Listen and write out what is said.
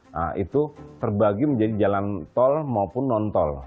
nah itu terbagi menjadi jalan tol maupun non tol